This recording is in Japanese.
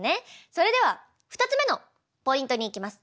それでは２つ目のポイントにいきます。